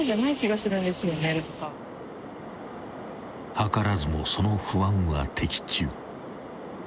［はからずもその不安は的中］